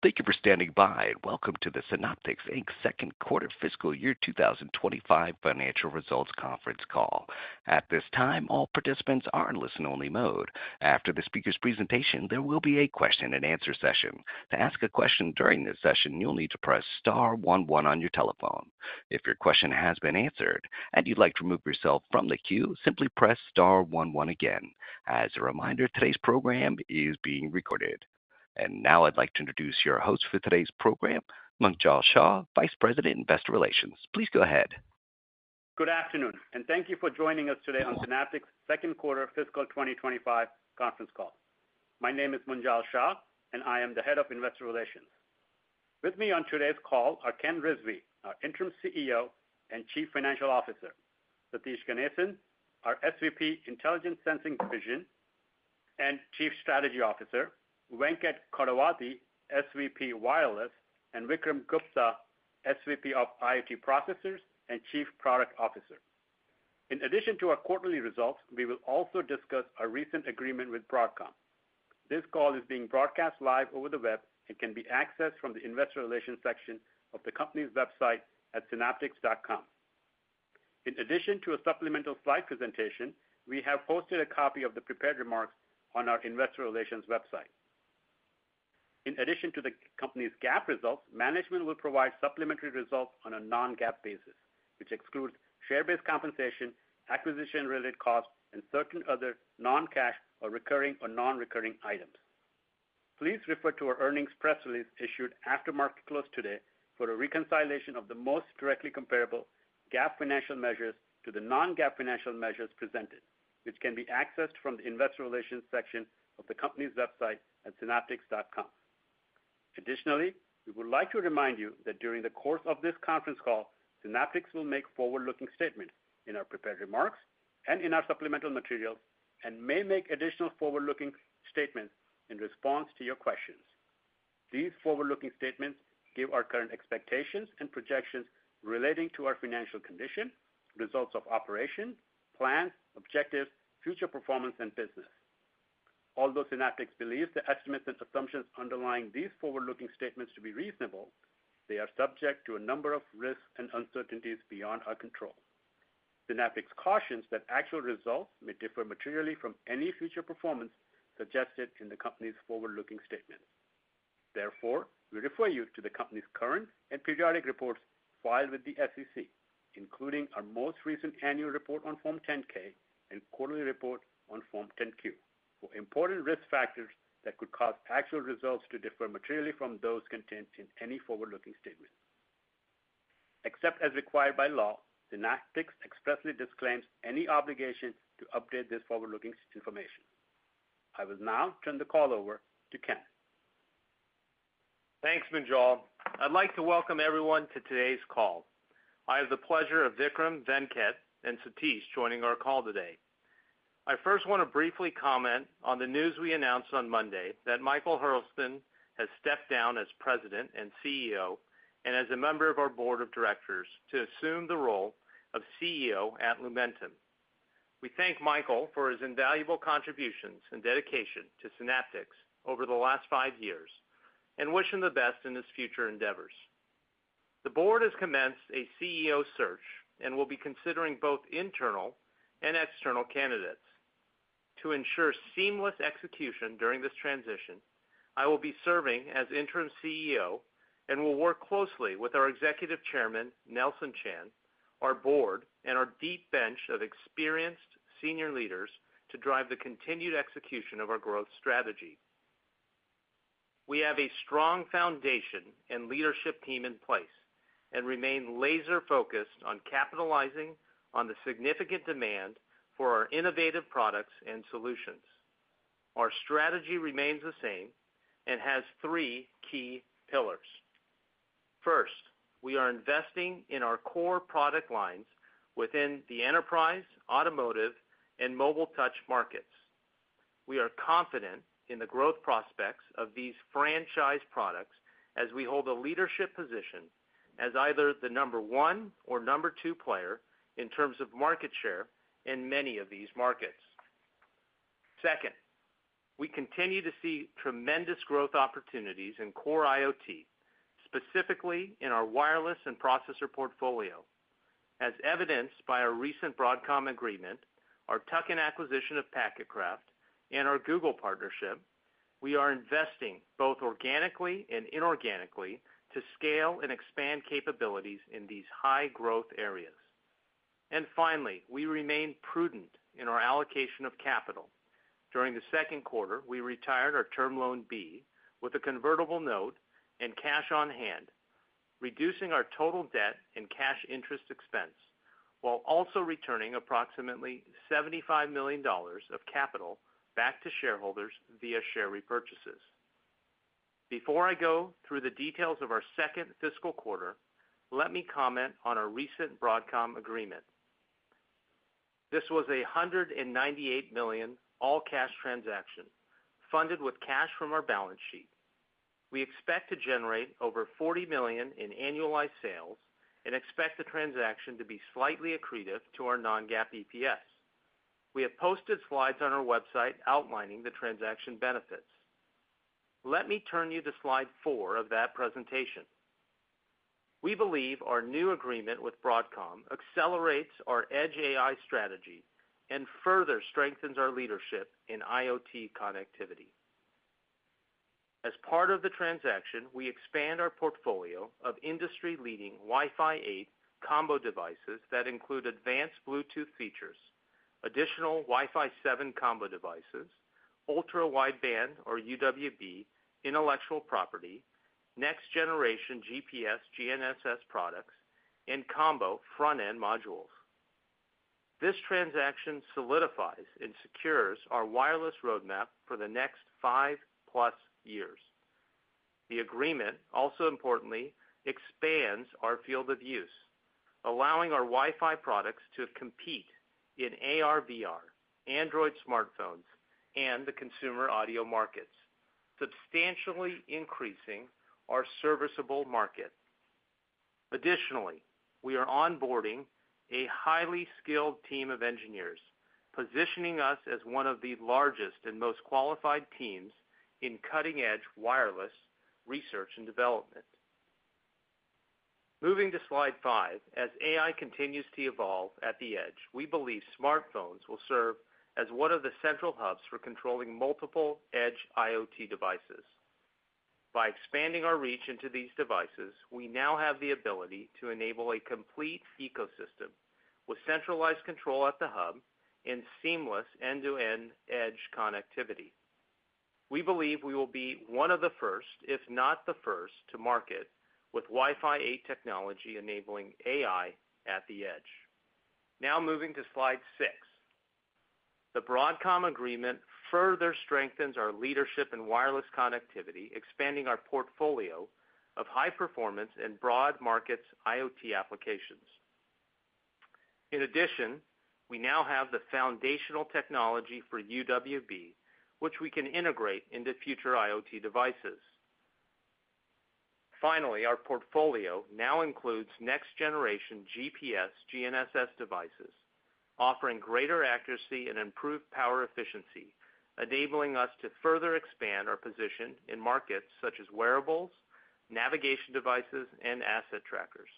Thank you for standing by, and welcome to the Synaptics Inc second quarter fiscal year 2025 financial results conference call. At this time, all participants are in listen-only mode. After the speaker's presentation, there will be a question-and-answer session. To ask a question during this session, you'll need to press star one one on your telephone. If your question has been answered and you'd like to remove yourself from the queue, simply press star one one again. As a reminder, today's program is being recorded. And now I'd like to introduce your host for today's program, Munjal Shah, Vice President, Investor Relations. Please go ahead. Good afternoon, and thank you for joining us today on Synaptics Second Quarter Fiscal 2025 Conference Call. My name is Munjal Shah, and I am the Head of Investor Relations. With me on today's call are Ken Rizvi, our Interim CEO and Chief Financial Officer, Satish Ganesan, our SVP, Intelligent Sensing Division and Chief Strategy Officer, Venkat Kodavati, SVP Wireless, and Vikram Gupta, SVP of IoT Processors and Chief Product Officer. In addition to our quarterly results, we will also discuss our recent agreement with Broadcom. This call is being broadcast live over the web and can be accessed from the Investor Relations section of the company's website at synaptics.com. In addition to a supplemental slide presentation, we have posted a copy of the prepared remarks on our Investor Relations website. In addition to the company's GAAP results, management will provide supplementary results on a non-GAAP basis, which excludes share-based compensation, acquisition-related costs, and certain other non-cash or recurring or non-recurring items. Please refer to our earnings press release issued after market close today for a reconciliation of the most directly comparable GAAP financial measures to the non-GAAP financial measures presented, which can be accessed from the Investor Relations section of the company's website at synaptics.com. Additionally, we would like to remind you that during the course of this conference call, Synaptics will make forward-looking statements in our prepared remarks and in our supplemental materials and may make additional forward-looking statements in response to your questions. These forward-looking statements give our current expectations and projections relating to our financial condition, results of operation, plans, objectives, future performance, and business. Although Synaptics believes the estimates and assumptions underlying these forward-looking statements to be reasonable, they are subject to a number of risks and uncertainties beyond our control. Synaptics cautions that actual results may differ materially from any future performance suggested in the company's forward-looking statements. Therefore, we refer you to the company's current and periodic reports filed with the SEC, including our most recent annual report on Form 10-K and quarterly report on Form 10-Q, for important risk factors that could cause actual results to differ materially from those contained in any forward-looking statement. Except as required by law, Synaptics expressly disclaims any obligation to update this forward-looking information. I will now turn the call over to Ken. Thanks, Munjal. I'd like to welcome everyone to today's call. I have the pleasure of Vikram, Venkat, and Satish joining our call today. I first want to briefly comment on the news we announced on Monday that Michael Hurlston has stepped down as President and CEO and as a member of our Board of Directors to assume the role of CEO at Lumentum. We thank Michael for his invaluable contributions and dedication to Synaptics over the last five years and wish him the best in his future endeavors. The board has commenced a CEO search and will be considering both internal and external candidates. To ensure seamless execution during this transition, I will be serving as Interim CEO and will work closely with our Executive Chairman, Nelson Chan, our board, and our deep bench of experienced senior leaders to drive the continued execution of our growth strategy. We have a strong foundation and leadership team in place and remain laser-focused on capitalizing on the significant demand for our innovative products and solutions. Our strategy remains the same and has three key pillars. First, we are investing in our core product lines within the enterprise, automotive, and Mobile Touch markets. We are confident in the growth prospects of these franchise products as we hold a leadership position as either the number one or number two player in terms of market share in many of these markets. Second, we continue to see tremendous growth opportunities in Core IoT, specifically in our wireless and processor portfolio. As evidenced by our recent Broadcom agreement, our tuck-in acquisition of Packetcraft, and our Google partnership, we are investing both organically and inorganically to scale and expand capabilities in these high-growth areas. And finally, we remain prudent in our allocation of capital. During the second quarter, we retired our Term Loan B with a convertible note and cash on hand, reducing our total debt and cash interest expense while also returning approximately $75 million of capital back to shareholders via share repurchases. Before I go through the details of our second fiscal quarter, let me comment on our recent Broadcom agreement. This was a $198 million all-cash transaction funded with cash from our balance sheet. We expect to generate over $40 million in annualized sales and expect the transaction to be slightly accretive to our non-GAAP EPS. We have posted slides on our website outlining the transaction benefits. Let me turn you to slide four of that presentation. We believe our new agreement with Broadcom accelerates our edge AI strategy and further strengthens our leadership in IoT connectivity. As part of the transaction, we expand our portfolio of industry-leading Wi-Fi 8 combo devices that include advanced Bluetooth features, additional Wi-Fi 7 combo devices, ultra-wideband or UWB intellectual property, next-generation GPS/GNSS products, and combo front-end modules. This transaction solidifies and secures our wireless roadmap for the next 5+ years. The agreement, also importantly, expands our field of use, allowing our Wi-Fi products to compete in AR/VR, Android smartphones, and the consumer audio markets, substantially increasing our serviceable market. Additionally, we are onboarding a highly skilled team of engineers, positioning us as one of the largest and most qualified teams in cutting-edge wireless research and development. Moving to slide five, as AI continues to evolve at the edge, we believe smartphones will serve as one of the central hubs for controlling multiple edge IoT devices. By expanding our reach into these devices, we now have the ability to enable a complete ecosystem with centralized control at the hub and seamless end-to-end edge connectivity. We believe we will be one of the first, if not the first, to market with Wi-Fi 8 technology enabling AI at the edge. Now moving to slide six, the Broadcom agreement further strengthens our leadership in wireless connectivity, expanding our portfolio of high-performance and broad markets IoT applications. In addition, we now have the foundational technology for UWB, which we can integrate into future IoT devices. Finally, our portfolio now includes next-generation GPS/GNSS devices, offering greater accuracy and improved power efficiency, enabling us to further expand our position in markets such as wearables, navigation devices, and asset trackers.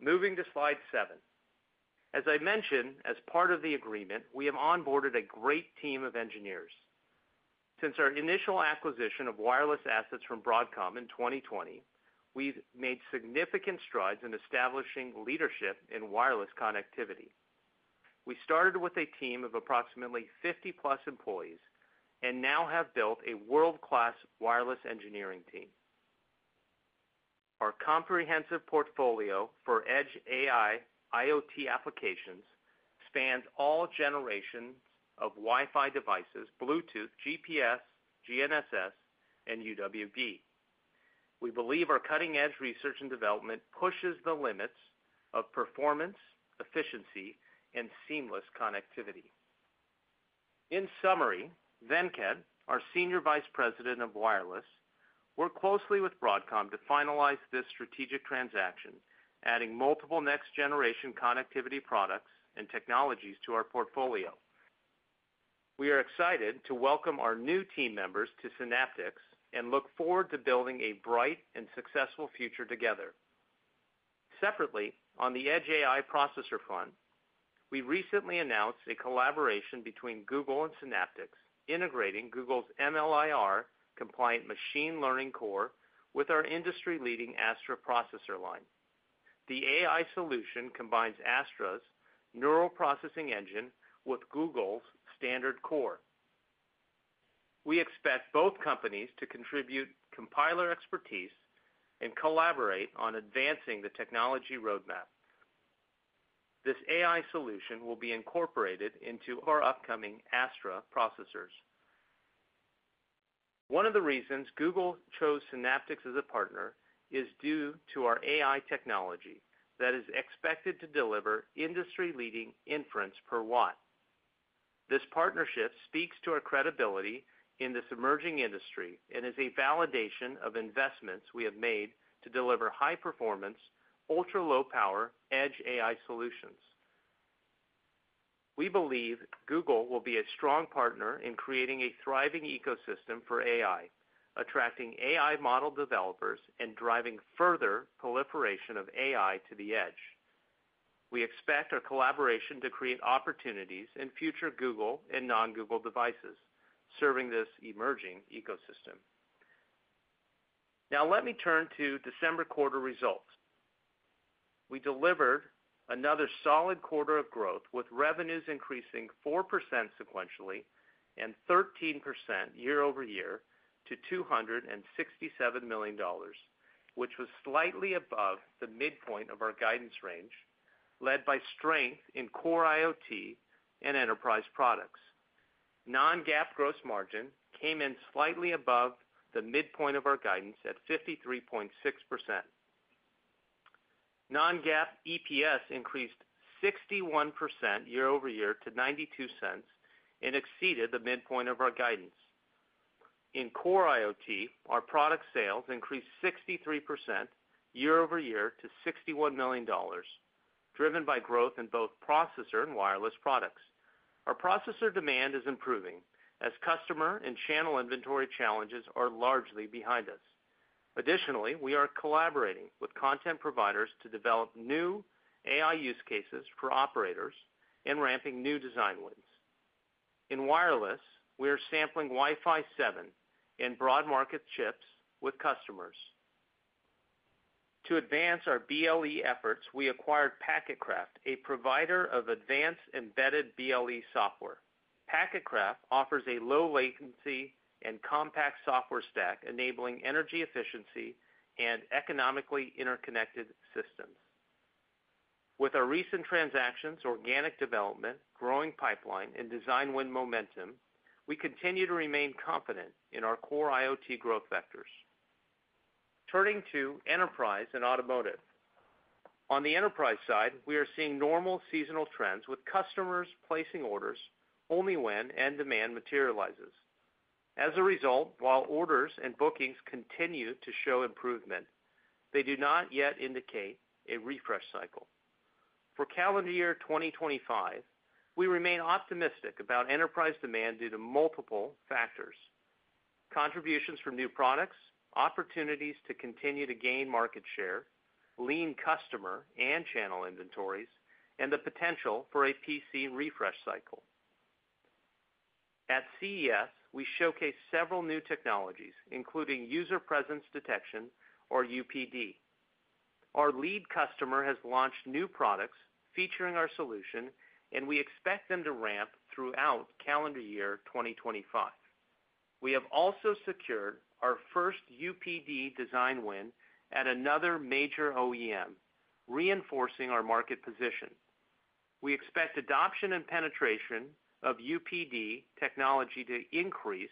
Moving to slide seven, as I mentioned, as part of the agreement, we have onboarded a great team of engineers. Since our initial acquisition of wireless assets from Broadcom in 2020, we've made significant strides in establishing leadership in wireless connectivity. We started with a team of approximately 50+ employees and now have built a world-class wireless engineering team. Our comprehensive portfolio for edge AI IoT applications spans all generations of Wi-Fi devices, Bluetooth, GPS, GNSS, and UWB. We believe our cutting-edge research and development pushes the limits of performance, efficiency, and seamless connectivity. In summary, Venkat, our Senior Vice President of Wireless, worked closely with Broadcom to finalize this strategic transaction, adding multiple next-generation connectivity products and technologies to our portfolio. We are excited to welcome our new team members to Synaptics and look forward to building a bright and successful future together. Separately, on the edge AI processor front, we recently announced a collaboration between Google and Synaptics, integrating Google's MLIR-compliant machine learning core with our industry-leading Astra processor line. The AI solution combines Astra's neural processing engine with Google's standard core. We expect both companies to contribute compiler expertise and collaborate on advancing the technology roadmap. This AI solution will be incorporated into our upcoming Astra processors. One of the reasons Google chose Synaptics as a partner is due to our AI technology that is expected to deliver industry-leading inference per watt. This partnership speaks to our credibility in this emerging industry and is a validation of investments we have made to deliver high-performance, ultra-low-power edge AI solutions. We believe Google will be a strong partner in creating a thriving ecosystem for AI, attracting AI model developers and driving further proliferation of AI to the edge. We expect our collaboration to create opportunities in future Google and non-Google devices serving this emerging ecosystem. Now let me turn to December quarter results. We delivered another solid quarter of growth with revenues increasing 4% sequentially and 13% year-over-year to $267 million, which was slightly above the midpoint of our guidance range, led by strength in Core IoT and enterprise products. Non-GAAP gross margin came in slightly above the midpoint of our guidance at 53.6%. Non-GAAP EPS increased 61% year-over-year to $0.92 and exceeded the midpoint of our guidance. In Core IoT, our product sales increased 63% year-over-year to $61 million, driven by growth in both processor and wireless products. Our processor demand is improving as customer and channel inventory challenges are largely behind us. Additionally, we are collaborating with content providers to develop new AI use cases for operators and ramping new design wins. In wireless, we are sampling Wi-Fi 7 and broad market chips with customers. To advance our BLE efforts, we acquired Packetcraft, a provider of advanced embedded BLE software. Packetcraft offers a low-latency and compact software stack enabling energy efficiency and economically interconnected systems. With our recent transactions, organic development, growing pipeline, and design win momentum, we continue to remain confident in our Core IoT growth vectors. Turning to Enterprise and Automotive, on the enterprise side, we are seeing normal seasonal trends with customers placing orders only when end demand materializes. As a result, while orders and bookings continue to show improvement, they do not yet indicate a refresh cycle. For calendar year 2025, we remain optimistic about enterprise demand due to multiple factors: contributions from new products, opportunities to continue to gain market share, lean customer and channel inventories, and the potential for a PC refresh cycle. At CES, we showcased several new technologies, including User Presence Detection, or UPD. Our lead customer has launched new products featuring our solution, and we expect them to ramp throughout calendar year 2025. We have also secured our first UPD design win at another major OEM, reinforcing our market position. We expect adoption and penetration of UPD technology to increase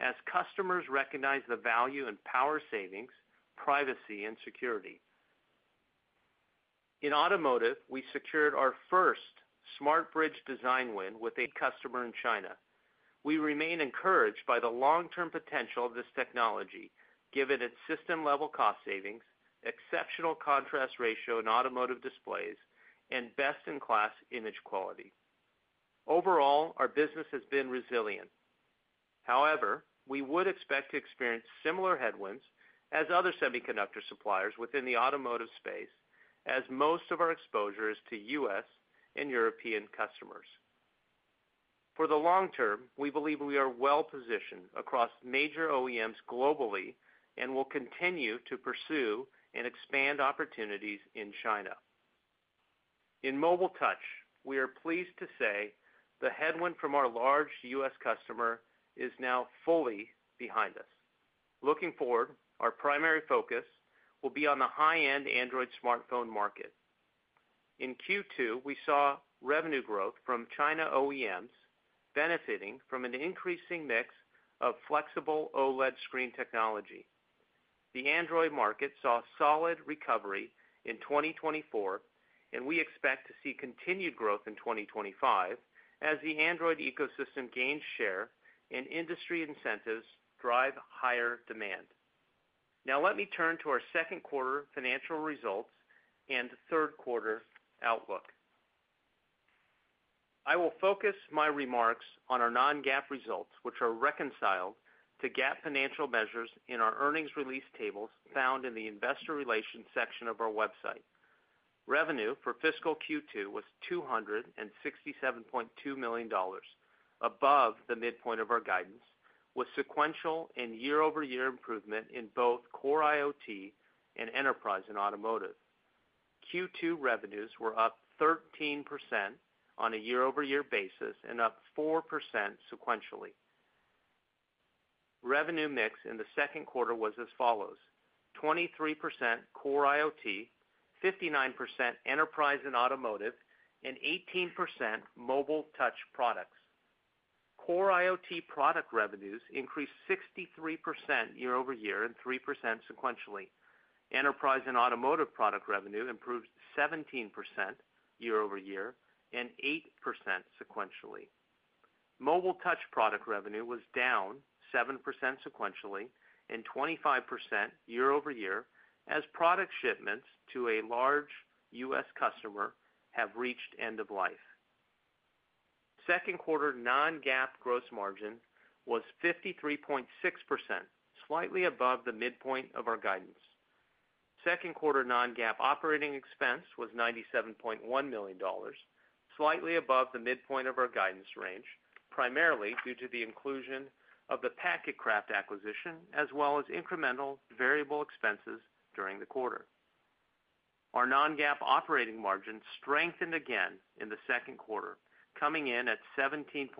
as customers recognize the value in power savings, privacy, and security. In automotive, we secured our first SmartBridge design win with a customer in China. We remain encouraged by the long-term potential of this technology, given its system-level cost savings, exceptional contrast ratio in automotive displays, and best-in-class image quality. Overall, our business has been resilient. However, we would expect to experience similar headwinds as other semiconductor suppliers within the automotive space, as most of our exposure is to U.S. and European customers. For the long term, we believe we are well-positioned across major OEMs globally and will continue to pursue and expand opportunities in China. In Mobile Touch, we are pleased to say the headwind from our large U.S. customer is now fully behind us. Looking forward, our primary focus will be on the high-end Android smartphone market. In Q2, we saw revenue growth from China OEMs benefiting from an increasing mix of flexible OLED screen technology. The Android market saw solid recovery in 2024, and we expect to see continued growth in 2025 as the Android ecosystem gains share and industry incentives drive higher demand. Now let me turn to our second quarter financial results and third quarter outlook. I will focus my remarks on our non-GAAP results, which are reconciled to GAAP financial measures in our earnings release tables found in the investor relations section of our website. Revenue for fiscal Q2 was $267.2 million, above the midpoint of our guidance, with sequential and year-over-year improvement in both Core IoT and Enterprise and Automotive. Q2 revenues were up 13% on a year-over-year basis and up 4% sequentially. Revenue mix in the second quarter was as follows: 23% Core IoT, 59% Enterprise and Automotive, and 18% Mobile touch products. Core IoT product revenues increased 63% year-over-year and 3% sequentially. Enterprise and Automotive product revenue improved 17% year-over-year and 8% sequentially. Mobile Touch product revenue was down 7% sequentially and 25% year-over-year as product shipments to a large U.S. customer have reached end of life. Second quarter non-GAAP gross margin was 53.6%, slightly above the midpoint of our guidance. Second quarter non-GAAP operating expense was $97.1 million, slightly above the midpoint of our guidance range, primarily due to the inclusion of the Packetcraft acquisition, as well as incremental variable expenses during the quarter. Our non-GAAP operating margin strengthened again in the second quarter, coming in at 17.3%,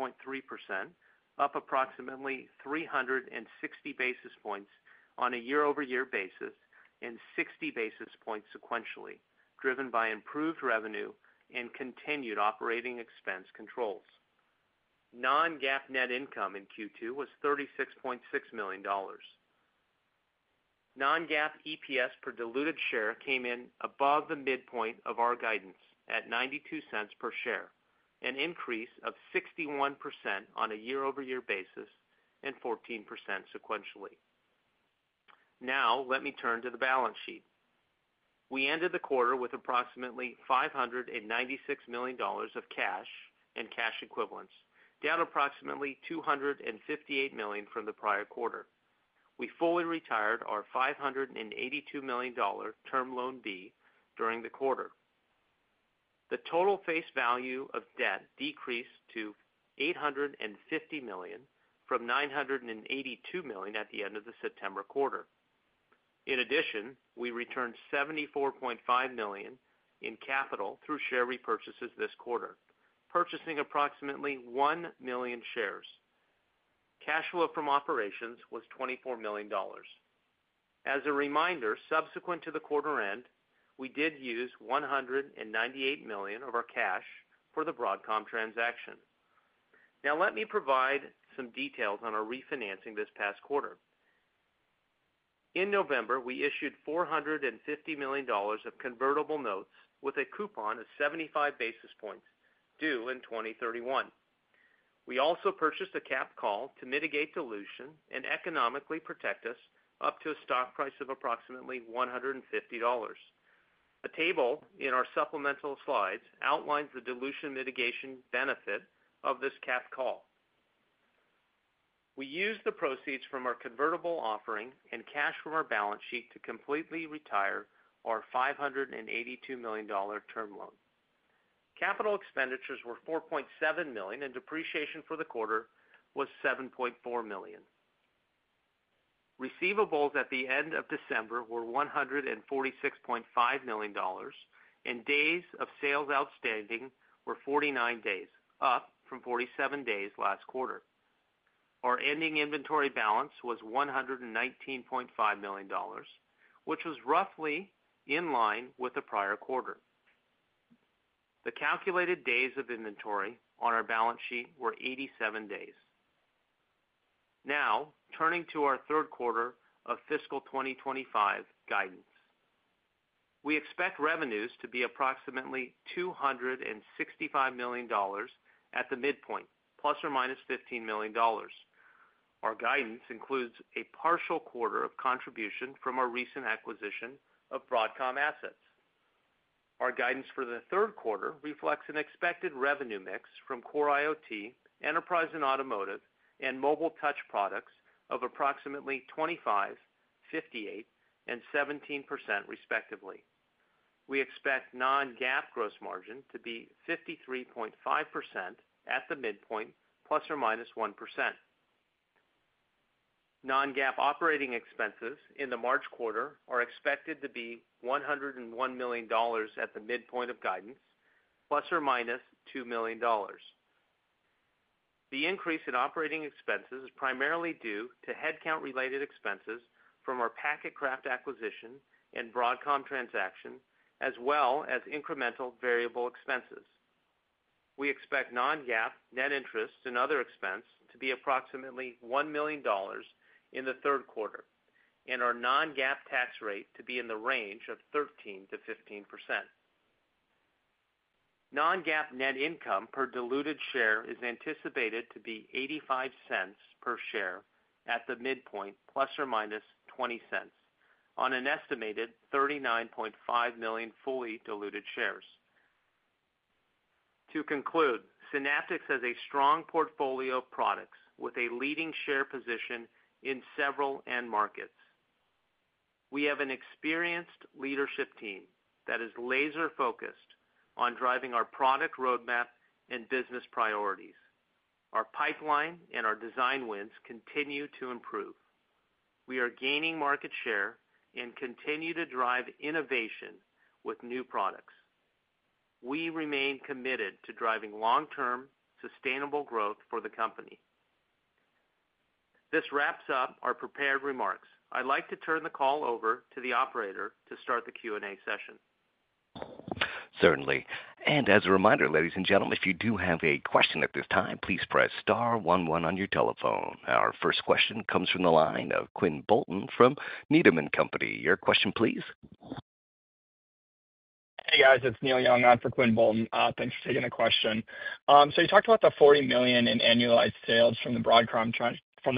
up approximately 360 basis points on a year-over-year basis and 60 basis points sequentially, driven by improved revenue and continued operating expense controls. Non-GAAP net income in Q2 was $36.6 million. Non-GAAP EPS per diluted share came in above the midpoint of our guidance at $0.92 per share, an increase of 61% on a year-over-year basis and 14% sequentially. Now let me turn to the balance sheet. We ended the quarter with approximately $596 million of cash and cash equivalents, down approximately $258 million from the prior quarter. We fully retired our $582 million Term Loan B during the quarter. The total face value of debt decreased to $850 million from $982 million at the end of the September quarter. In addition, we returned $74.5 million in capital through share repurchases this quarter, purchasing approximately 1 million shares. Cash flow from operations was $24 million. As a reminder, subsequent to the quarter end, we did use $198 million of our cash for the Broadcom transaction. Now let me provide some details on our refinancing this past quarter. In November, we issued $450 million of convertible notes with a coupon of 75 basis points due in 2031. We also purchased a capped call to mitigate dilution and economically protect us up to a stock price of approximately $150. A table in our supplemental slides outlines the dilution mitigation benefit of this capped call. We used the proceeds from our convertible offering and cash from our balance sheet to completely retire our $582 million term loan. Capital expenditures were $4.7 million, and depreciation for the quarter was $7.4 million. Receivables at the end of December were $146.5 million, and days of sales outstanding were 49 days, up from 47 days last quarter. Our ending inventory balance was $119.5 million, which was roughly in line with the prior quarter. The calculated days of inventory on our balance sheet were 87 days. Now turning to our third quarter of fiscal 2025 guidance. We expect revenues to be approximately $265 million at the midpoint, ±$15 million. Our guidance includes a partial quarter of contribution from our recent acquisition of Broadcom assets. Our guidance for the third quarter reflects an expected revenue mix from Core IoT, Enterprise and Automotive, and Mobile touch products of approximately 25%, 58%, and 17% respectively. We expect non-GAAP gross margin to be 53.5% at the midpoint, ±1%. Non-GAAP operating expenses in the March quarter are expected to be $101 million at the midpoint of guidance, ±$2 million. The increase in operating expenses is primarily due to headcount-related expenses from our Packetcraft acquisition and Broadcom transaction, as well as incremental variable expenses. We expect non-GAAP net interest and other expenses to be approximately $1 million in the third quarter and our non-GAAP tax rate to be in the range of 13%-15%. Non-GAAP net income per diluted share is anticipated to be $0.85 per share at the midpoint, ±$0.20 on an estimated 39.5 million fully diluted shares. To conclude, Synaptics has a strong portfolio of products with a leading share position in several end markets. We have an experienced leadership team that is laser-focused on driving our product roadmap and business priorities. Our pipeline and our design wins continue to improve. We are gaining market share and continue to drive innovation with new products. We remain committed to driving long-term sustainable growth for the company. This wraps up our prepared remarks. I'd like to turn the call over to the operator to start the Q&A session. Certainly. And as a reminder, ladies and gentlemen, if you do have a question at this time, please press star one one on your telephone. Our first question comes from the line of Quinn Bolton from Needham & Company. Your question, please. Hey, guys. It's Neil Young for Quinn Bolton. Thanks for taking the question. So you talked about the $40 million in annualized sales from the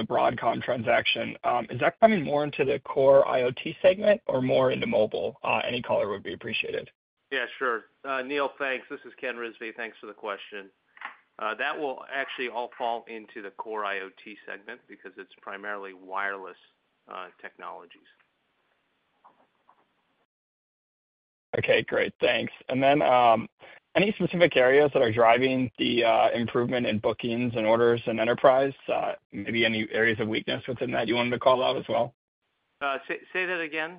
Broadcom transaction. Is that coming more into the Core IoT segment or more into mobile? Any color would be appreciated. Yeah, sure. Neil, thanks. This is Ken Rizvi. Thanks for the question. That will actually all fall into the Core IoT segment because it's primarily wireless technologies. Okay, great. Thanks. And then any specific areas that are driving the improvement in bookings and orders in enterprise? Maybe any areas of weakness within that you wanted to call out as well? Say that again.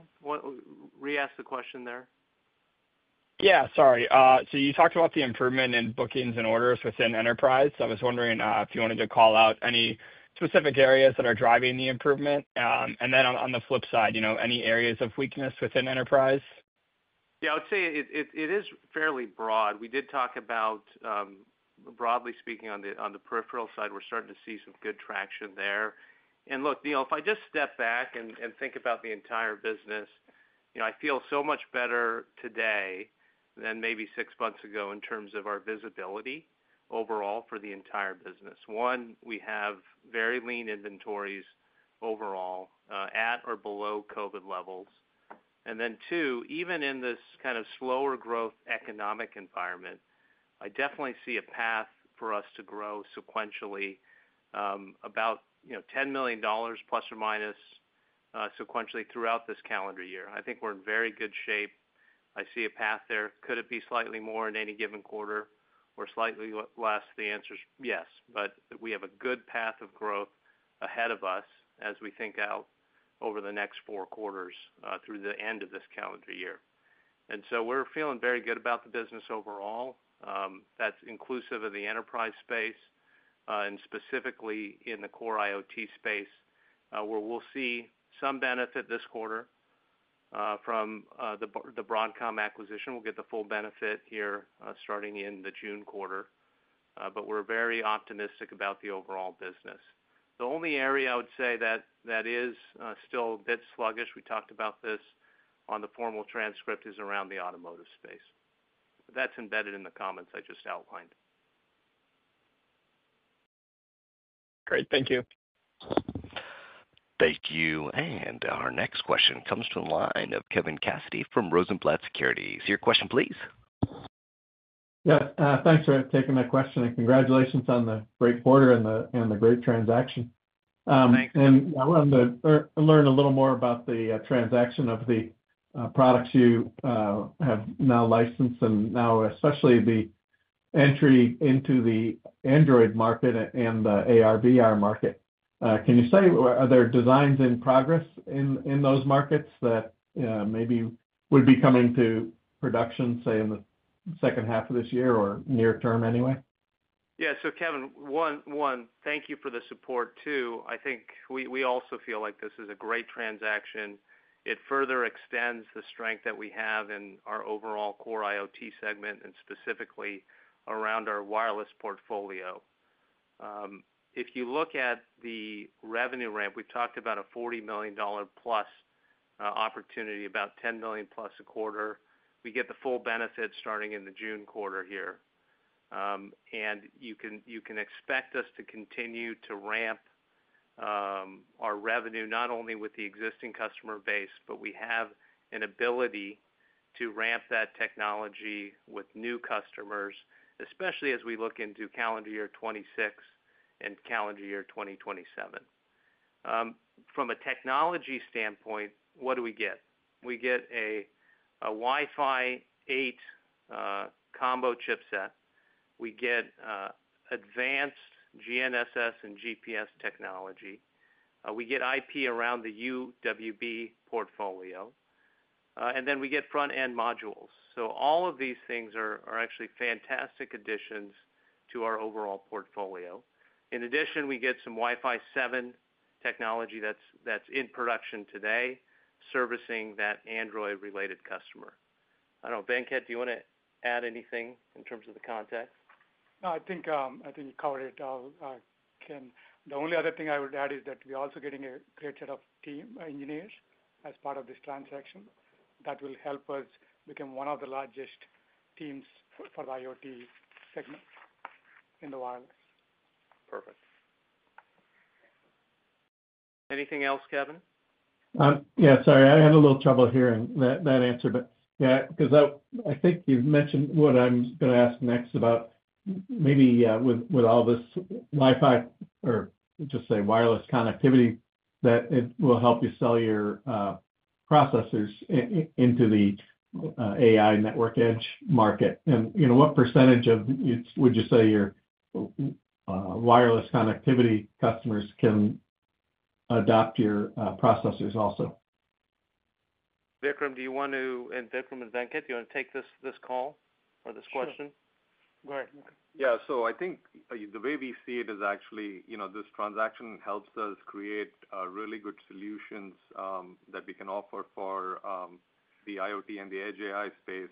Re-ask the question there. Yeah, sorry. So you talked about the improvement in bookings and orders within enterprise. I was wondering if you wanted to call out any specific areas that are driving the improvement. And then on the flip side, any areas of weakness within enterprise? Yeah, I would say it is fairly broad. We did talk about, broadly speaking, on the peripheral side, we're starting to see some good traction there. And look, Neil, if I just step back and think about the entire business, I feel so much better today than maybe six months ago in terms of our visibility overall for the entire business. One, we have very lean inventories overall at or below COVID levels. And then two, even in this kind of slower growth economic environment, I definitely see a path for us to grow sequentially about $10 million, plus or minus, sequentially throughout this calendar year. I think we're in very good shape. I see a path there. Could it be slightly more in any given quarter or slightly less? The answer's yes, but we have a good path of growth ahead of us as we think out over the next four quarters through the end of this calendar year, and so we're feeling very good about the business overall. That's inclusive of the enterprise space and specifically in the Core IoT space, where we'll see some benefit this quarter from the Broadcom acquisition. We'll get the full benefit here starting in the June quarter, but we're very optimistic about the overall business. The only area I would say that is still a bit sluggish, we talked about this on the formal transcript, is around the automotive space. That's embedded in the comments I just outlined. Great. Thank you. Thank you, and our next question comes from the line of Kevin Cassidy from Rosenblatt Securities. for your question, please. Yeah. Thanks for taking my question and congratulations on the great quarter and the great transaction. Thanks. And I wanted to learn a little more about the transaction of the products you have now licensed and now, especially the entry into the Android market and the AR/VR market. Can you say, are there designs in progress in those markets that maybe would be coming to production, say, in the second half of this year or near term anyway? Yeah. So Kevin, one, thank you for the support. Two, I think we also feel like this is a great transaction. It further extends the strength that we have in our overall Core IoT segment and specifically around our wireless portfolio. If you look at the revenue ramp, we've talked about a $40 million-plus opportunity, about $10 million plus a quarter. We get the full benefit starting in the June quarter here. And you can expect us to continue to ramp our revenue not only with the existing customer base, but we have an ability to ramp that technology with new customers, especially as we look into calendar year 2026 and calendar year 2027. From a technology standpoint, what do we get? We get a Wi-Fi 8 combo chipset. We get advanced GNSS and GPS technology. We get IP around the UWB portfolio. And then we get front-end modules. So all of these things are actually fantastic additions to our overall portfolio. In addition, we get some Wi-Fi 7 technology that's in production today, servicing that Android-related customer. I don't know. Venkat, do you want to add anything in terms of the context? No, I think you covered it all, Ken. The only other thing I would add is that we're also getting a great set of engineers as part of this transaction that will help us become one of the largest teams for the IoT segment in the wireless. Perfect. Anything else, Kevin? Yeah, sorry. I had a little trouble hearing that answer, but yeah, because I think you've mentioned what I'm going to ask next about maybe with all this Wi-Fi or just say wireless connectivity, that it will help you sell your processors into the AI network edge market, and what percentage would you say your wireless connectivity customers can adopt your processors also? Vikram, do you want to, and Vikram and Venkat, do you want to take this call or this question? Sure. Go ahead. Yeah. So I think the way we see it is actually this transaction helps us create really good solutions that we can offer for the IoT and the edge AI space.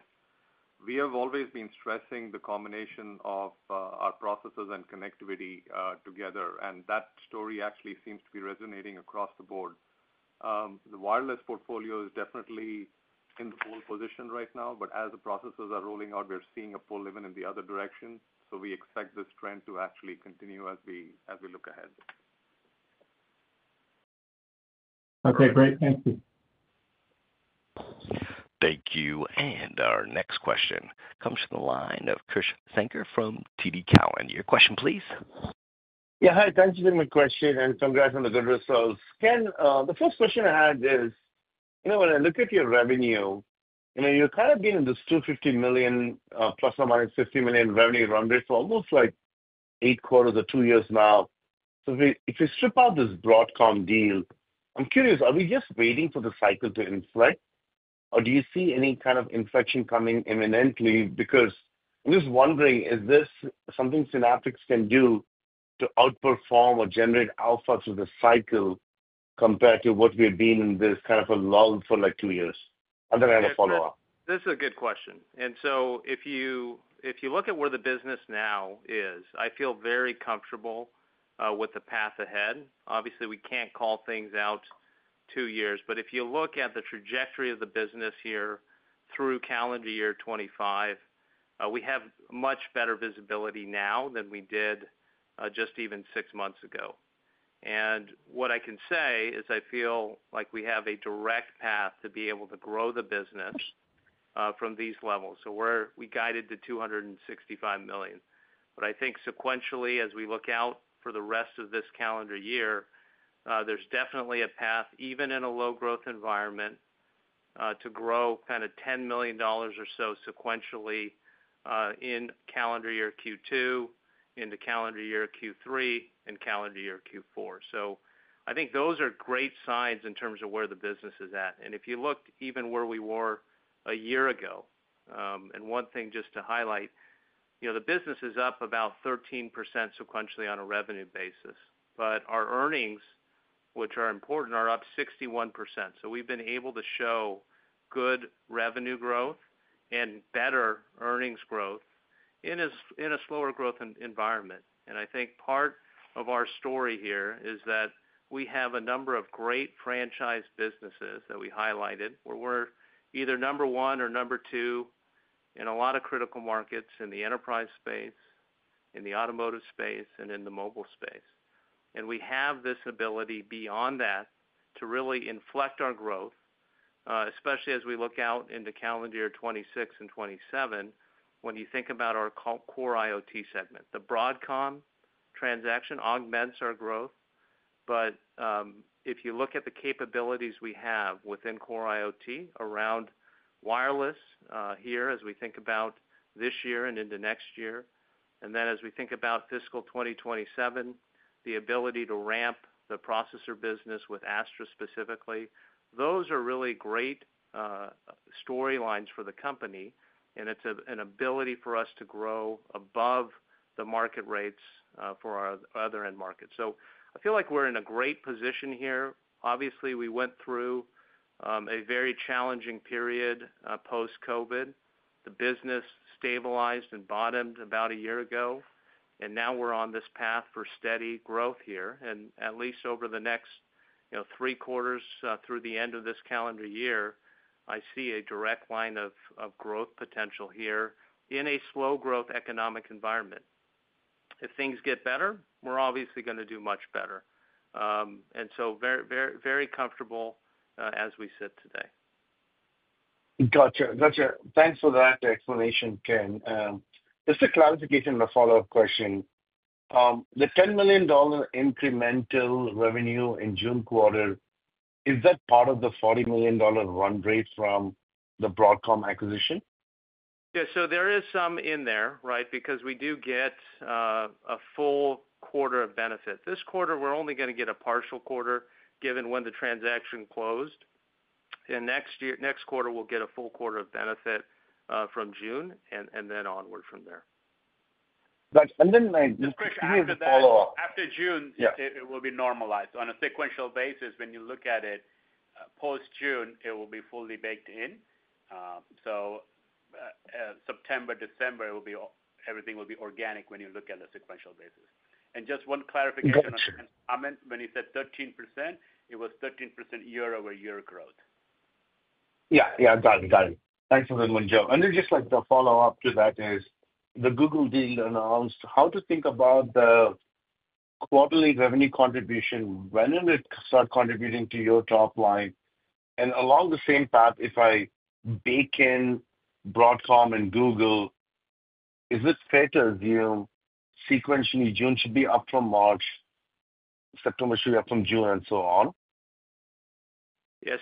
We have always been stressing the combination of our processors and connectivity together, and that story actually seems to be resonating across the board. The wireless portfolio is definitely in the full position right now, but as the processors are rolling out, we're seeing a pull even in the other direction. So we expect this trend to actually continue as we look ahead. Okay. Great. Thank you. Thank you. And our next question comes from the line of Krish Sankar from TD Cowen. Your question, please. Yeah. Hi. Thanks for the question and congrats on the good results. Ken, the first question I had is, when I look at your revenue, you've kind of been in this $250 million ±$50 million revenue run rate for almost like eight quarters or two years now. So if we strip out this Broadcom deal, I'm curious, are we just waiting for the cycle to inflect, or do you see any kind of inflection coming imminently? Because I'm just wondering, is this something Synaptics can do to outperform or generate alpha through the cycle compared to what we've been in this kind of a lull for like two years? I'm going to have a follow-up. This is a good question, and so if you look at where the business now is, I feel very comfortable with the path ahead. Obviously, we can't call things out two years, but if you look at the trajectory of the business here through calendar year 2025, we have much better visibility now than we did just even six months ago, and what I can say is I feel like we have a direct path to be able to grow the business from these levels, so we guided to $265 million, but I think sequentially, as we look out for the rest of this calendar year, there's definitely a path, even in a low-growth environment, to grow kind of $10 million or so sequentially in calendar year Q2, into calendar year Q3, and calendar year Q4, so I think those are great signs in terms of where the business is at. And if you looked even where we were a year ago, and one thing just to highlight, the business is up about 13% sequentially on a revenue basis, but our earnings, which are important, are up 61%. So we've been able to show good revenue growth and better earnings growth in a slower growth environment. And I think part of our story here is that we have a number of great franchise businesses that we highlighted where we're either number one or number two in a lot of critical markets in the enterprise space, in the automotive space, and in the mobile space. And we have this ability beyond that to really inflect our growth, especially as we look out into calendar year 2026 and 2027 when you think about our Core IoT segment. The Broadcom transaction augments our growth, but if you look at the capabilities we have within Core IoT around wireless here as we think about this year and into next year, and then as we think about fiscal 2027, the ability to ramp the processor business with Astra specifically, those are really great storylines for the company, and it's an ability for us to grow above the market rates for our other end markets, so I feel like we're in a great position here. Obviously, we went through a very challenging period post-COVID. The business stabilized and bottomed about a year ago, and now we're on this path for steady growth here, and at least over the next three quarters through the end of this calendar year, I see a direct line of growth potential here in a slow-growth economic environment. If things get better, we're obviously going to do much better. And so very comfortable as we sit today. Gotcha. Gotcha. Thanks for that explanation, Ken. Just a clarification and a follow-up question. The $10 million incremental revenue in June quarter, is that part of the $40 million run rate from the Broadcom acquisition? Yeah. So there is some in there, right, because we do get a full quarter of benefit. This quarter, we're only going to get a partial quarter given when the transaction closed. And next quarter, we'll get a full quarter of benefit from June and then onward from there. And then just to give a follow-up. After June, it will be normalized. On a sequential basis, when you look at it post-June, it will be fully baked in. So September, December, everything will be organic when you look at the sequential basis. Just one clarification on Kevin's comment. When he said 13%, it was 13% year-over-year growth. Yeah. Yeah. Got it. Got it. Thanks for the window. Then just like the follow-up to that is the Google deal announced, how to think about the quarterly revenue contribution when it starts contributing to your top line. Along the same path, if I bake in Broadcom and Google, is it fair to assume sequentially June should be up from March, September should be up from June, and so on? Yeah.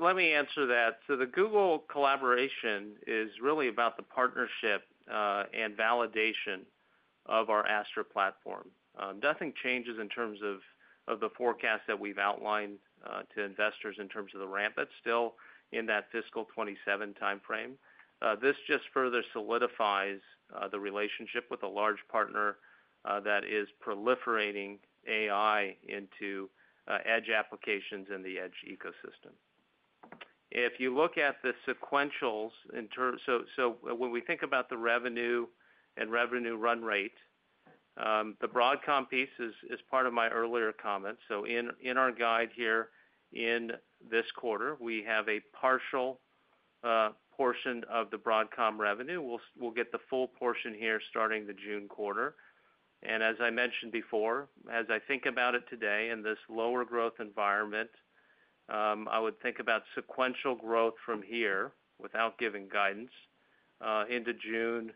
Let me answer that. The Google collaboration is really about the partnership and validation of our Astra platform. Nothing changes in terms of the forecast that we've outlined to investors in terms of the ramp. That's still in that fiscal 2027 timeframe. This just further solidifies the relationship with a large partner that is proliferating AI into edge applications and the edge ecosystem. If you look at the sequentials in terms so when we think about the revenue and revenue run rate, the Broadcom piece is part of my earlier comments. So in our guide here in this quarter, we have a partial portion of the Broadcom revenue. We'll get the full portion here starting the June quarter. And as I mentioned before, as I think about it today in this lower growth environment, I would think about sequential growth from here without giving guidance into June,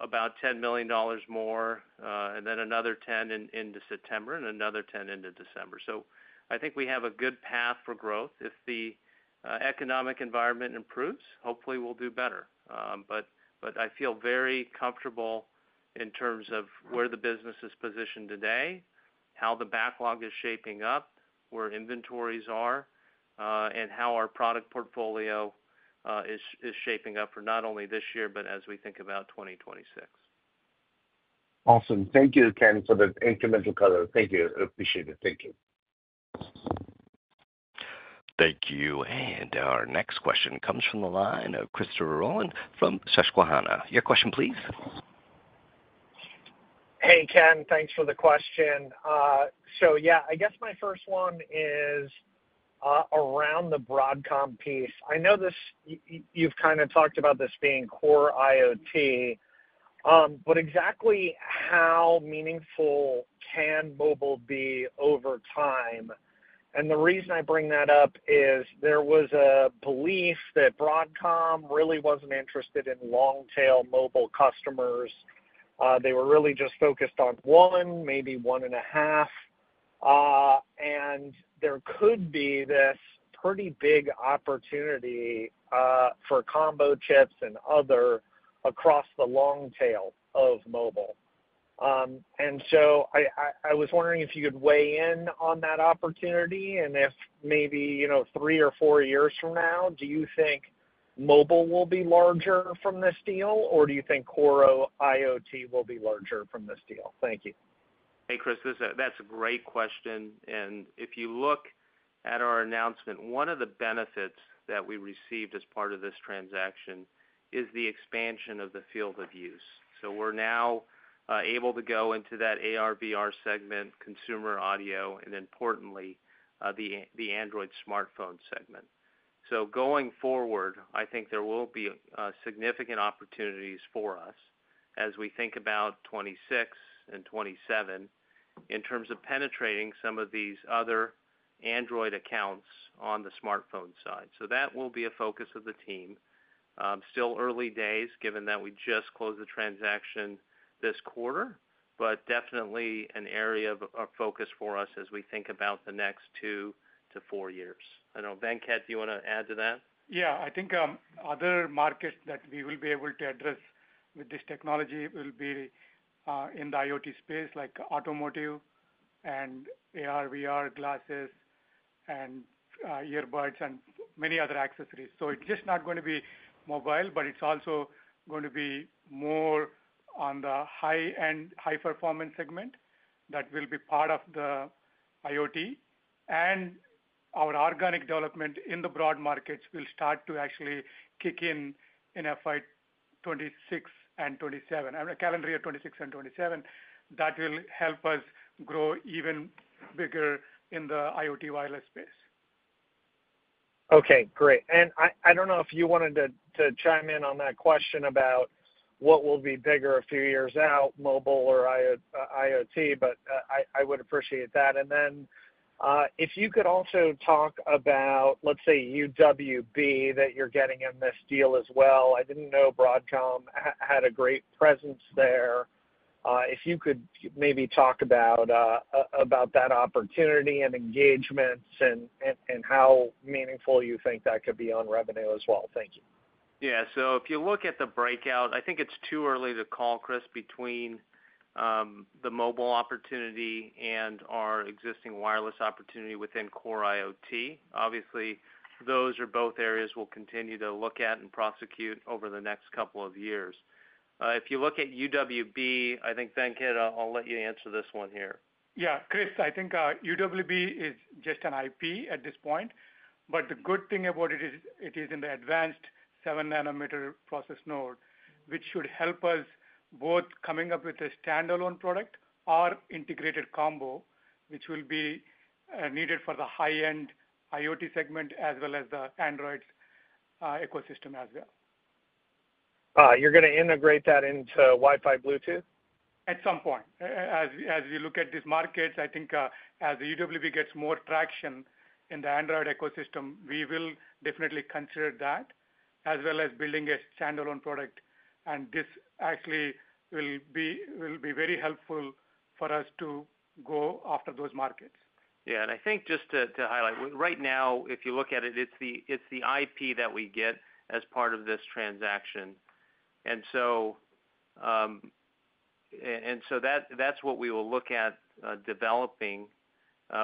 about $10 million more, and then another 10 into September, and another 10 into December. So I think we have a good path for growth. If the economic environment improves, hopefully, we'll do better. But I feel very comfortable in terms of where the business is positioned today, how the backlog is shaping up, where inventories are, and how our product portfolio is shaping up for not only this year but as we think about 2026. Awesome. Thank you, Ken, for the incremental color. Thank you. I appreciate it. Thank you. Thank you. And our next question comes from the line of Christopher Rolland from Susquehanna. Your question, please. Hey, Ken. Thanks for the question. So yeah, I guess my first one is around the Broadcom piece. I know you've kind of talked about this being Core IoT, but exactly how meaningful can mobile be over time? And the reason I bring that up is there was a belief that Broadcom really wasn't interested in long-tail mobile customers. They were really just focused on one, maybe one and a half. And there could be this pretty big opportunity for combo chips and other across the long tail of mobile. And so I was wondering if you could weigh in on that opportunity and if maybe three or four years from now, do you think mobile will be larger from this deal, or do you think Core IoT will be larger from this deal? Thank you. Hey, Krish, that's a great question. And if you look at our announcement, one of the benefits that we received as part of this transaction is the expansion of the field of use. So we're now able to go into that AR/VR segment, consumer audio, and importantly, the Android smartphone segment. So going forward, I think there will be significant opportunities for us as we think about 2026 and 2027 in terms of penetrating some of these other Android accounts on the smartphone side. So that will be a focus of the team. Still early days, given that we just closed the transaction this quarter, but definitely an area of focus for us as we think about the next two to four years. I don't know. Venkat, do you want to add to that? Yeah. I think other markets that we will be able to address with this technology will be in the IoT space, like automotive and AR/VR glasses and earbuds and many other accessories. So it's just not going to be mobile, but it's also going to be more on the high-end, high-performance segment that will be part of the IoT. And our organic development in the broad markets will start to actually kick in in FY 2026 and 2027, calendar year 2026 and 2027. That will help us grow even bigger in the IoT wireless space. Okay. Great. I don't know if you wanted to chime in on that question about what will be bigger a few years out, mobile or IoT, but I would appreciate that. And then if you could also talk about, let's say, UWB that you're getting in this deal as well. I didn't know Broadcom had a great presence there. If you could maybe talk about that opportunity and engagements and how meaningful you think that could be on revenue as well. Thank you. Yeah. So if you look at the breakout, I think it's too early to call, Chris, between the mobile opportunity and our existing wireless opportunity within Core IoT. Obviously, those are both areas we'll continue to look at and prosecute over the next couple of years. If you look at UWB, I think, Venkat, I'll let you answer this one here. Yeah. Kris, I think UWB is just an IP at this point, but the good thing about it is it is in the advanced 7-nanometer process node, which should help us both coming up with a standalone product or integrated combo, which will be needed for the high-end IoT segment as well as the Android ecosystem as well. You're going to integrate that into Wi-Fi Bluetooth? At some point. As we look at these markets, I think as UWB gets more traction in the Android ecosystem, we will definitely consider that as well as building a standalone product. And this actually will be very helpful for us to go after those markets. Yeah. And I think just to highlight, right now, if you look at it, it's the IP that we get as part of this transaction. And so that's what we will look at developing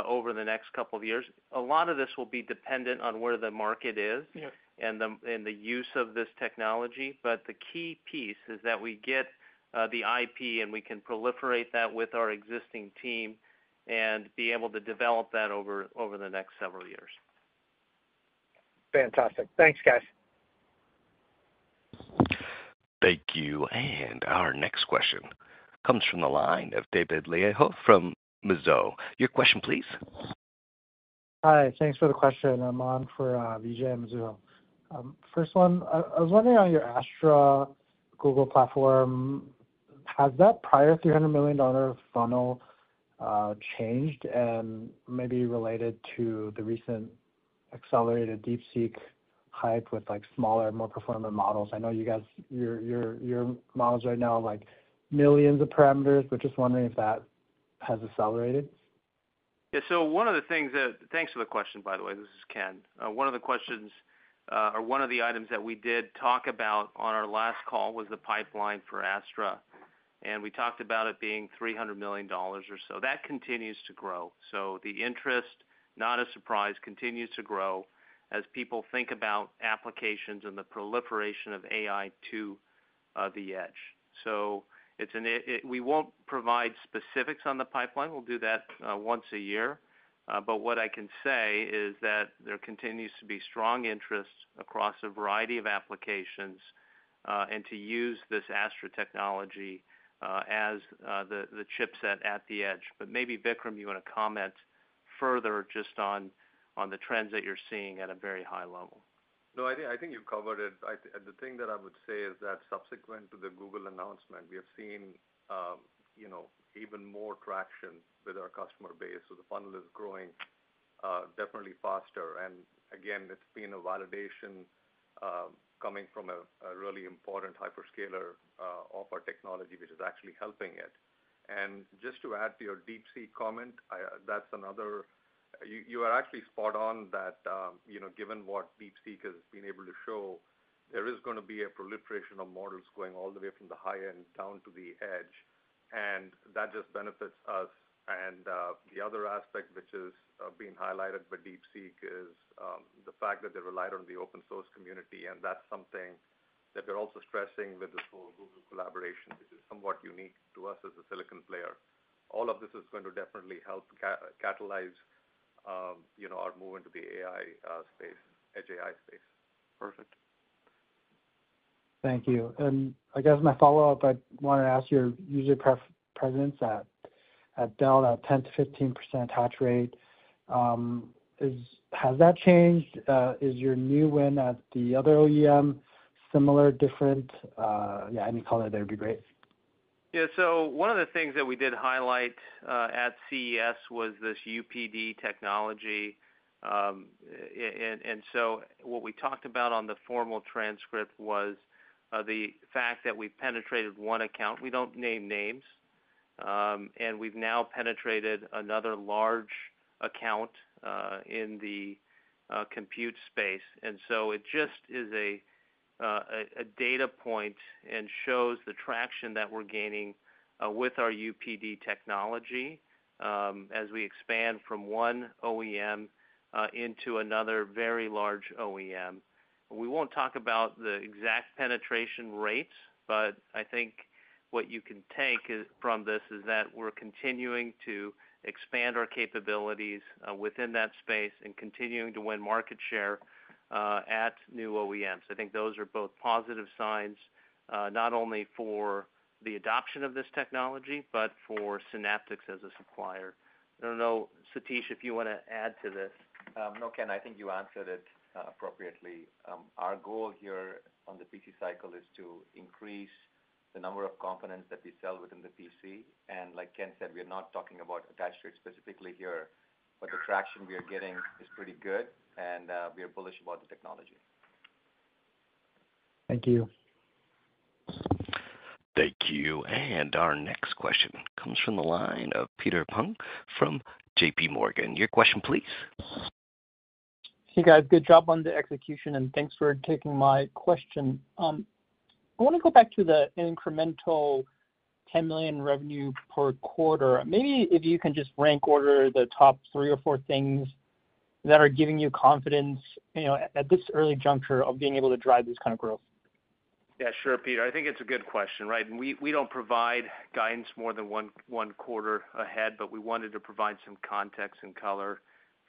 over the next couple of years. A lot of this will be dependent on where the market is and the use of this technology. But the key piece is that we get the IP and we can proliferate that with our existing team and be able to develop that over the next several years. Fantastic. Thanks, guys. Thank you. And our next question comes from the line of David Liu from Mizuho. Your question, please. Hi. Thanks for the question. I'm on for Vijay and Mizuho. First one, I was wondering on your Astra Google platform, has that prior $300 million funnel changed and maybe related to the recent accelerated DeepSeek hype with smaller, more performant models? I know you guys, your models right now are like millions of parameters, but just wondering if that has accelerated. Yeah. So, one of the things. Thanks for the question, by the way. This is Ken. One of the questions or one of the items that we did talk about on our last call was the pipeline for Astra. And we talked about it being $300 million or so. That continues to grow. So the interest, not a surprise, continues to grow as people think about applications and the proliferation of AI to the edge. So we won't provide specifics on the pipeline. We'll do that once a year. But what I can say is that there continues to be strong interest across a variety of applications and to use this Astra technology as the chipset at the edge. But maybe, Vikram, you want to comment further just on the trends that you're seeing at a very high level. No, I think you've covered it. The thing that I would say is that subsequent to the Google announcement, we have seen even more traction with our customer base. So the funnel is growing definitely faster. And again, it's been a validation coming from a really important hyperscaler of our technology, which is actually helping it. And just to add to your DeepSeek comment, that's another you are actually spot on that given what DeepSeek has been able to show, there is going to be a proliferation of models going all the way from the high end down to the edge. And that just benefits us. And the other aspect which is being highlighted by DeepSeek is the fact that they relied on the open-source community. And that's something that they're also stressing with this whole Google collaboration, which is somewhat unique to us as a silicon player. All of this is going to definitely help catalyze our move into the AI space, edge AI space. Perfect. Thank you. And I guess my follow-up, I wanted to ask your User Presence at Dell, that 10%-15% attach rate. Has that changed? Is your new win at the other OEM similar, different? Yeah, any color there would be great. Yeah. So one of the things that we did highlight at CES was this UPD technology. And so what we talked about on the formal transcript was the fact that we penetrated one account. We don't name names. And we've now penetrated another large account in the compute space. And so it just is a data point and shows the traction that we're gaining with our UPD technology as we expand from one OEM into another very large OEM. We won't talk about the exact penetration rates, but I think what you can take from this is that we're continuing to expand our capabilities within that space and continuing to win market share at new OEMs. I think those are both positive signs, not only for the adoption of this technology, but for Synaptics as a supplier. I don't know, Satish, if you want to add to this. No, Ken, I think you answered it appropriately. Our goal here on the PC cycle is to increase the number of components that we sell within the PC. And like Ken said, we are not talking about attach rate specifically here, but the traction we are getting is pretty good, and we are bullish about the technology. Thank you. Thank you. And our next question comes from the line of Peter Peng from JPMorgan. Your question, please. Hey, guys. Good job on the execution, and thanks for taking my question. I want to go back to the incremental $10 million revenue per quarter. Maybe if you can just rank order the top three or four things that are giving you confidence at this early juncture of being able to drive this kind of growth. Yeah. Sure, Peter. I think it's a good question, right? We don't provide guidance more than one quarter ahead, but we wanted to provide some context and color.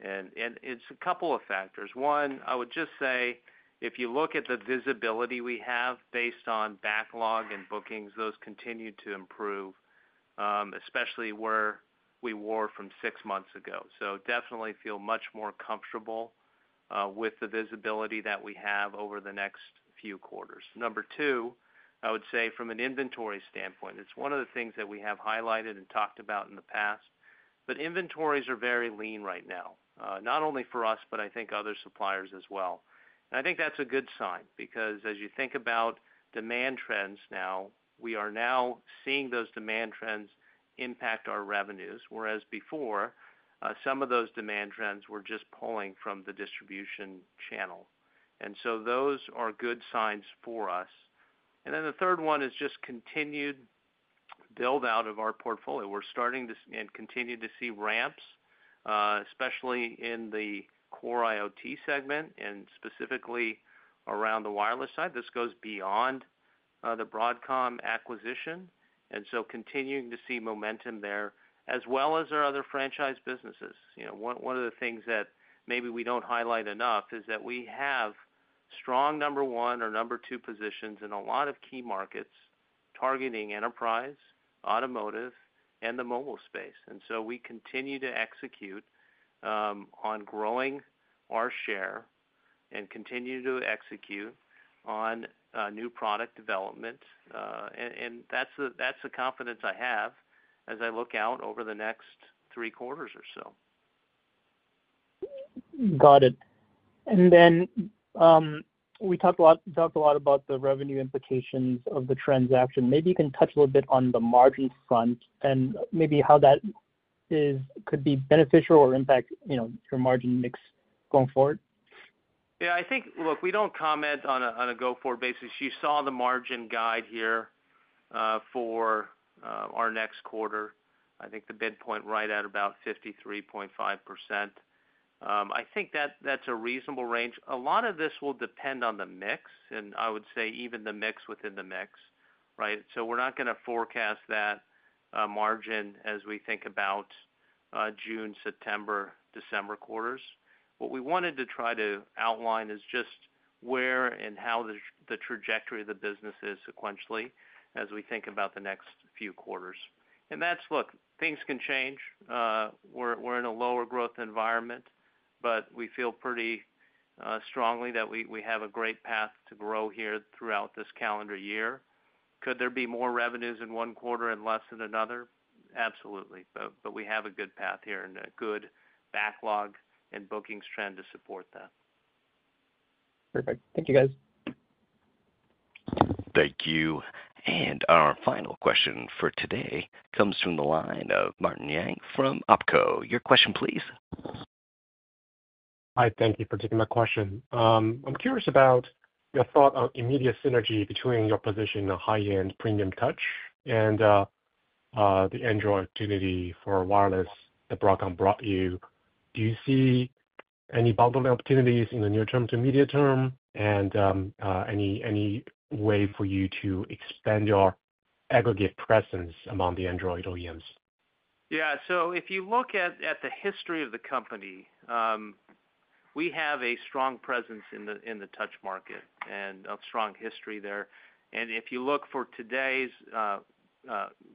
And it's a couple of factors. One, I would just say if you look at the visibility we have based on backlog and bookings, those continue to improve, especially where we were from six months ago. So definitely feel much more comfortable with the visibility that we have over the next few quarters. Number two, I would say from an inventory standpoint, it's one of the things that we have highlighted and talked about in the past, but inventories are very lean right now, not only for us, but I think other suppliers as well. And I think that's a good sign because as you think about demand trends now, we are now seeing those demand trends impact our revenues, whereas before some of those demand trends were just pulling from the distribution channel. And so those are good signs for us. And then the third one is just continued build-out of our portfolio. We're starting to and continue to see ramps, especially in the Core IoT segment and specifically around the wireless side. This goes beyond the Broadcom acquisition. And so continuing to see momentum there, as well as our other franchise businesses. One of the things that maybe we don't highlight enough is that we have strong number one or number two positions in a lot of key markets targeting enterprise, automotive, and the mobile space. And so we continue to execute on growing our share and continue to execute on new product development. And that's the confidence I have as I look out over the next three quarters or so. Got it. And then we talked a lot about the revenue implications of the transaction. Maybe you can touch a little bit on the margin front and maybe how that could be beneficial or impact your margin mix going forward. Yeah. I think, look, we don't comment on a go-forward basis. You saw the margin guide here for our next quarter. I think the midpoint right at about 53.5%. I think that's a reasonable range. A lot of this will depend on the mix, and I would say even the mix within the mix, right? So we're not going to forecast that margin as we think about June, September, December quarters. What we wanted to try to outline is just where and how the trajectory of the business is sequentially as we think about the next few quarters. And that's, look, things can change. We're in a lower growth environment, but we feel pretty strongly that we have a great path to grow here throughout this calendar year. Could there be more revenues in one quarter and less in another? Absolutely. But we have a good path here and a good backlog and bookings trend to support that. Perfect. Thank you, guys. Thank you. And our final question for today comes from the line of Martin Yang from Oppenheimer. Your question, please. Hi. Thank you for taking my question. I'm curious about your thought on immediate synergy between your position in a high-end premium touch and the Android opportunity for wireless that Broadcom brought you. Do you see any bundling opportunities in the near term to medium term and any way for you to expand your aggregate presence among the Android OEMs? Yeah. So if you look at the history of the company, we have a strong presence in the touch market and a strong history there. And if you look for today's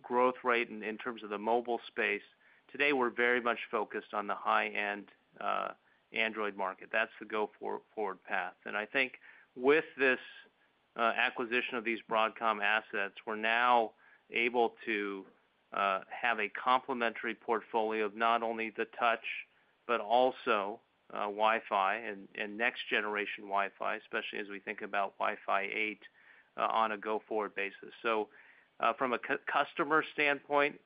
growth rate in terms of the mobile space, today we're very much focused on the high-end Android market. That's the go-forward path. And I think with this acquisition of these Broadcom assets, we're now able to have a complementary portfolio of not only the touch, but also Wi-Fi and next-generation Wi-Fi, especially as we think about Wi-Fi 8 on a go-forward basis. So from a customer standpoint,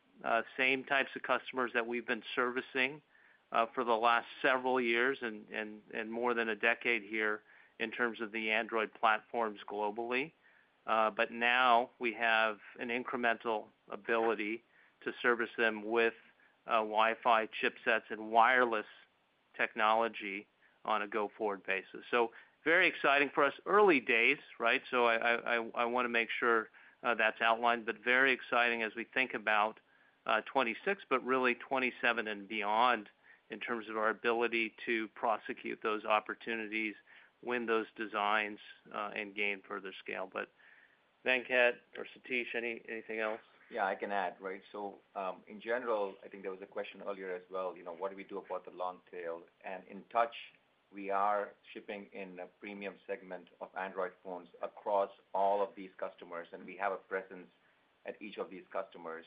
same types of customers that we've been servicing for the last several years and more than a decade here in terms of the Android platforms globally. But now we have an incremental ability to service them with Wi-Fi chipsets and wireless technology on a go-forward basis. So very exciting for us. Early days, right? So I want to make sure that's outlined, but very exciting as we think about 2026, but really 2027 and beyond in terms of our ability to prosecute those opportunities, win those designs, and gain further scale. But Venkat or Satish, anything else? Yeah, I can add, right? So, in general, I think there was a question earlier as well, what do we do about the long tail? And in touch, we are shipping in a premium segment of Android phones across all of these customers, and we have a presence at each of these customers.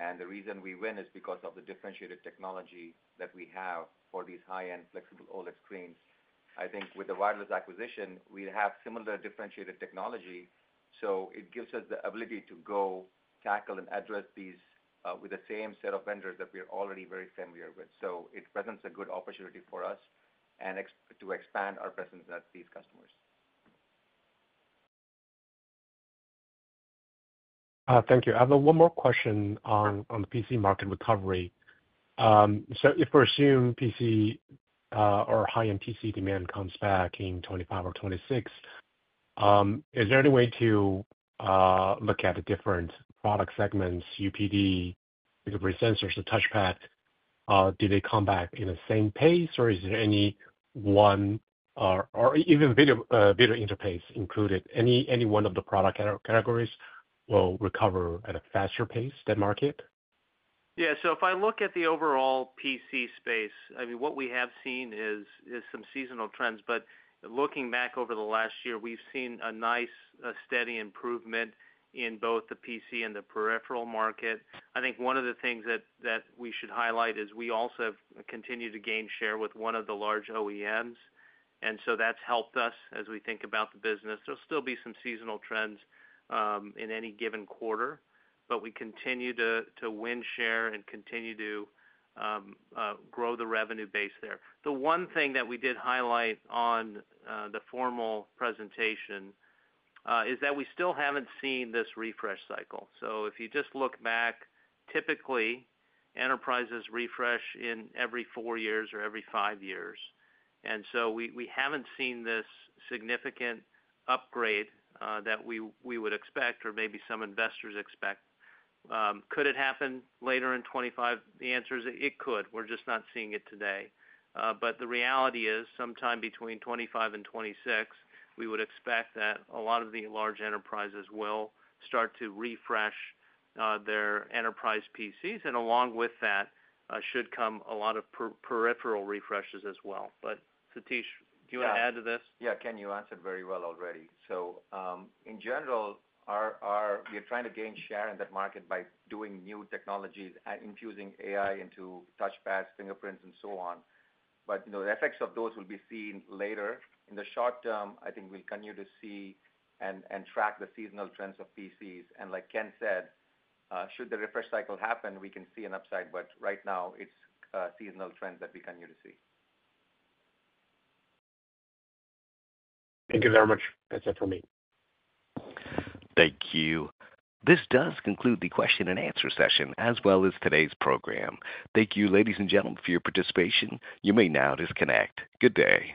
And the reason we win is because of the differentiated technology that we have for these high-end flexible OLED screens. I think with the wireless acquisition, we have similar differentiated technology, so it gives us the ability to go tackle and address these with the same set of vendors that we are already very familiar with. So it presents a good opportunity for us to expand our presence at these customers. Thank you. I have one more question on the PC market recovery. So if we're assuming PC or high-end PC demand comes back in 2025 or 2026, is there any way to look at the different product segments, UPD, interface sensors, the touchpad? Do they come back in the same pace, or is there any one or even video interface included? Any one of the product categories will recover at a faster pace than market? Yeah. So if I look at the overall PC space, I mean, what we have seen is some seasonal trends. But looking back over the last year, we've seen a nice steady improvement in both the PC and the peripheral market. I think one of the things that we should highlight is we also continue to gain share with one of the large OEMs. And so that's helped us as we think about the business. There'll still be some seasonal trends in any given quarter, but we continue to win share and continue to grow the revenue base there. The one thing that we did highlight on the formal presentation is that we still haven't seen this refresh cycle. So if you just look back, typically enterprises refresh in every four years or every five years. And so we haven't seen this significant upgrade that we would expect or maybe some investors expect. Could it happen later in 2025? The answer is it could. We're just not seeing it today. But the reality is sometime between 2025 and 2026, we would expect that a lot of the large enterprises will start to refresh their enterprise PCs. And along with that, should come a lot of peripheral refreshes as well. But Satish, do you want to add to this? Yeah. Ken, you answered very well already. So in general, we are trying to gain share in that market by doing new technologies and infusing AI into touchpads, fingerprints, and so on. But the effects of those will be seen later. In the short term, I think we'll continue to see and track the seasonal trends of PCs. And like Ken said, should the refresh cycle happen, we can see an upside. But right now, it's seasonal trends that we continue to see. Thank you very much. That's it for me. Thank you. This does conclude the question and answer session as well as today's program. Thank you, ladies and gentlemen, for your participation. You may now disconnect. Good day.